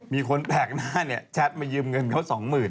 มีคนแปลกหน้าเนี่ยแชทมายืมเงินเขา๒๐๐๐